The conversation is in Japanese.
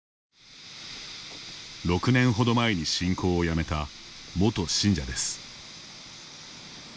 ６年ほど前に信仰をやめた元信者です。